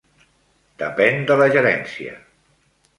Depèn de la gerència.